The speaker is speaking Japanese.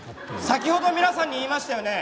先ほど皆さんに言いましたよね？